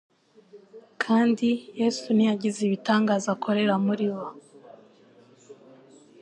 kandi Yesu ntiyagize ibitangaza akorera muri bo,